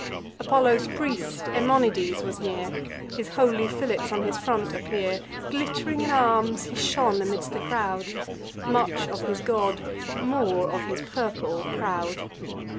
Apollo's priest, Emonides, was near; His holy fillets on his front appear; Glitt'ring in arms, he shone amidst the crowd; Much of his god, more of his purple, proud.